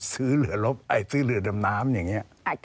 ซื้อเรือดำน้ำอย่างเงี้ย